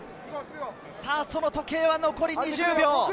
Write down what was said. その時計は残り２０秒。